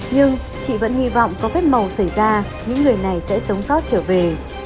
nhưng chị vẫn hy vọng có vết màu xảy ra những người này sẽ sống sót trở về